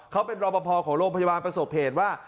เขาเป็นรอปภของโรงพยาบาลประสบเหตุว่า